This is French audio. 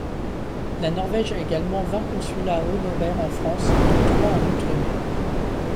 La Norvège a également vingt consulats honoraires en France, dont trois en outre-mer.